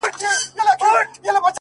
بيا دې د سندرو و جمال ته گډ يم _